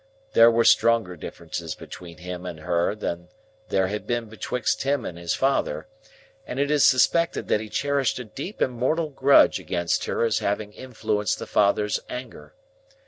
There were stronger differences between him and her than there had been between him and his father, and it is suspected that he cherished a deep and mortal grudge against her as having influenced the father's anger.